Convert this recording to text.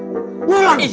bapak mau ngajar anak sholat